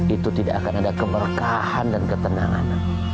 itu tidak akan ada keberkahan dan ketenangan